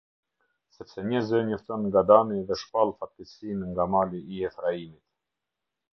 Sepse një zë njofton nga Dani dhe shpall fatkeqësinë nga mali i Efraimit.